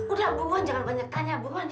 udah abu abuan jangan banyak tanya abu abuan ya